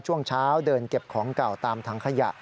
ช่วงเช้าเดินเก็บของเก่าตามถังขยะ